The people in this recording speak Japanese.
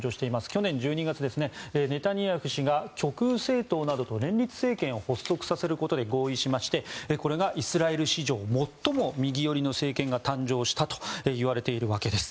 去年１２月、ネタニヤフ氏が極右政党などと連立政権を発足させることで合意しましてこれがイスラエル史上最も右寄りの政権が誕生したといわれているわけです。